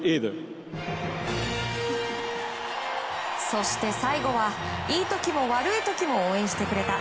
そして最後はいい時も悪い時も応援してくれた